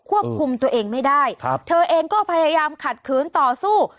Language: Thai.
ควบคุมตัวเองไม่ได้ครับเธอเองก็พยายามขัดขืนต่อสู้